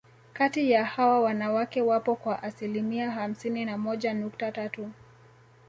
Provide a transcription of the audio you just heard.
Kati ya hawa wanawake wapo kwa asilimia hamsini na moja nukta tatu